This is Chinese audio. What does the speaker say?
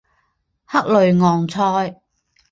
克雷昂塞。